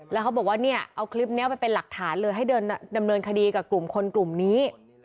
แล้วเขาบอกว่าเนี่ยเอาคลิปนี้ไปเป็นหลักฐานเลยให้เดินดำเนินคดีกับกลุ่มคนกลุ่มนี้